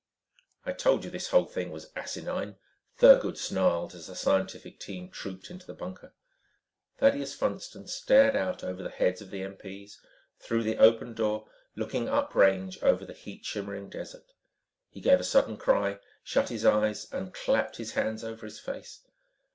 "I told you this whole thing was asinine," Thurgood snarled as the scientific teams trooped into the bunker. Thaddeus Funston stared out over the heads of the MPs through the open door, looking uprange over the heat shimmering desert. He gave a sudden cry, shut his eyes and clapped his hands over his face.